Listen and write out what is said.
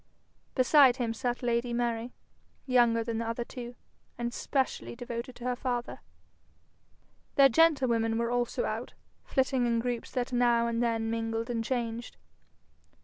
Beside him sat lady Mary, younger than the other two, and specially devoted to her father. Their gentlewomen were also out, flitting in groups that now and then mingled and changed.